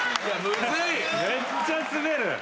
・めっちゃ滑る。